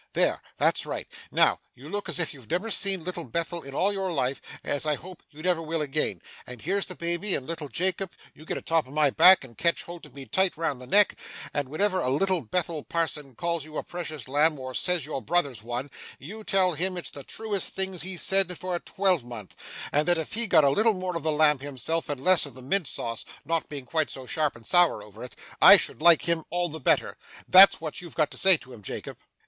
There that's right. Now you look as if you'd never seen Little Bethel in all your life, as I hope you never will again; and here's the baby; and little Jacob, you get atop of my back and catch hold of me tight round the neck, and whenever a Little Bethel parson calls you a precious lamb or says your brother's one, you tell him it's the truest things he's said for a twelvemonth, and that if he'd got a little more of the lamb himself, and less of the mint sauce not being quite so sharp and sour over it I should like him all the better. That's what you've got to say to him, Jacob.